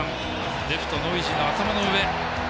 レフト、ノイジーの頭の上。